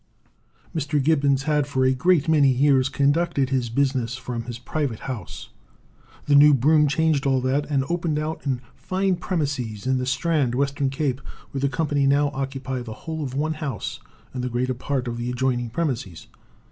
Mr. Gibbons had for a great many years conducted his business from his private house. The new broom changed all that, and opened out in fine premises in the Strand, W.C., where the Company now occupy the whole of one house and the greater part of the adjoining premises.